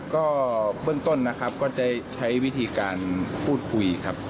ก็เบื้องต้นนะครับก็จะใช้วิธีการพูดคุยครับ